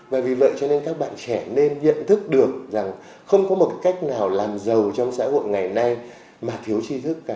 và vì vậy cho nên các bạn trẻ nên nhận thức được rằng không có một cách nào làm giàu trong xã hội ngày nay mà thiếu chi thức cả